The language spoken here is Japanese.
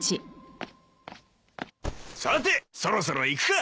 さてそろそろ行くか。